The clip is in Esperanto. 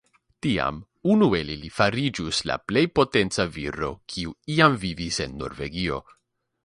Tiam unu el ili fariĝus la plej potenca viro, kiu iam vivis en Norvegio.